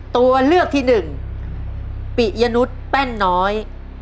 ตัวเลือกที่หนึ่งปิยนุษย์แป้นน้อย